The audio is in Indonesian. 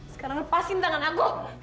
sekarang lepasin tangan aku